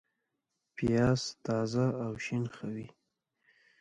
پیاز تازه او شین ښه وي